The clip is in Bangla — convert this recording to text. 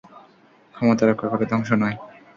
ক্ষমতা রক্ষা করে, ধ্বংস নয়।